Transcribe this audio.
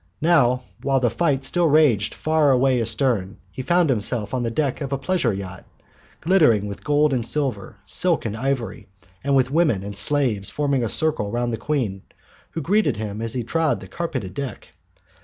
Now, while the fight still raged far away astern, he found himself on the deck of a pleasure yacht, glittering with gold and silver, silk and ivory, and with women and slaves forming a circle round the Queen, who greeted him as he trod the carpeted deck.